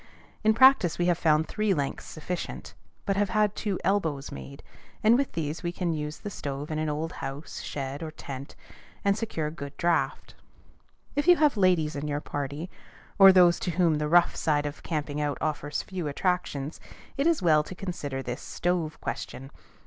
In practice we have found three lengths sufficient, but have had two elbows made; and with these we can use the stove in an old house, shed, or tent, and secure good draught. If you have ladies in your party, or those to whom the rough side of camping out offers few attractions, it is well to consider this stove question.